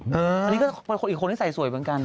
อันนี้ก็เป็นคนอีกคนที่ใส่สวยเหมือนกัน